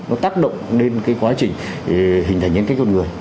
nó tác động đến cái quá trình hình thành nhân cách con người